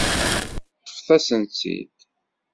Ṭṭfet-asent-tt-id.